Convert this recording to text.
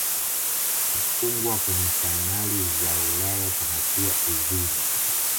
kufungwa kwenye fainali ya ulaya kunatia uzuni